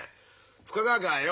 深川家はよ